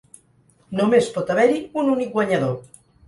Només pot haver-hi un únic guanyador.